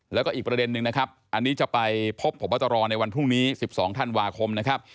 แล้วก็อีกประเด็นนึงนะครับอันนี้จะไปพบพบตรในวันพรุ่งนี้๑๒ธันวาคมนะครับ